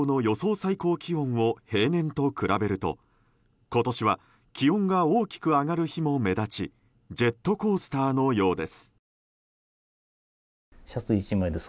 最高気温を平年と比べると今年は気温が大きく上がる日も目立ちジェットコースターのようです。